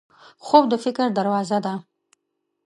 خوب د فکر دروازه ده